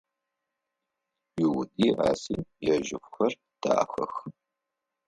Люди Аси яжьыфхэр дахэх.